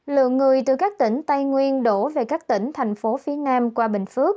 lượng người từ các tỉnh tây nguyên đổ về các tỉnh thành phố phía nam qua bình phước